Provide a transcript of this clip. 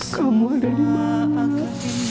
kamu ada dimana